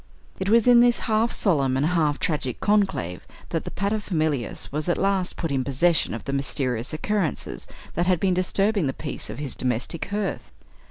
It was in this half solemn and half tragic conclave that the pater familias was at last put in possession of the mysterious occurrences that had been disturbing the peace of his domestic hearth.